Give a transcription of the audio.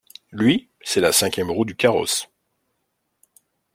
Lui, c’est la cinquième roue du carrosse.